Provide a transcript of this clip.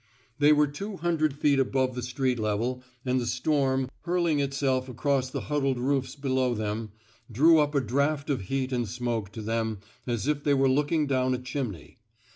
They were two hundred feet above the street level, and the storm, hurling itself across the huddled roofs below them, drew up a draft of heat and smoke to them as if they were looking down a chimney.